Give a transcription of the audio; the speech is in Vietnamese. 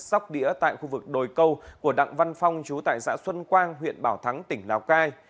sóc đĩa tại khu vực đồi câu của đặng văn phong chú tại xã xuân quang huyện bảo thắng tỉnh lào cai